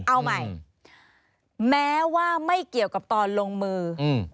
เอาใหม่แม้ว่าไม่เกี่ยวกับตอนลงมืออืม